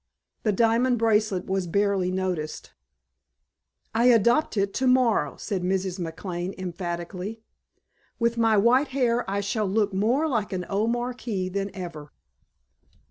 The diamond bracelet was barely noticed. "I adopt it tomorrow," said Mrs. McLane emphatically. "With my white hair I shall look more like an old marquise than ever."